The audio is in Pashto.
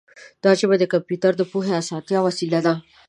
دا ژبه د کمپیوټر د پوهې اساسي وسیله ده.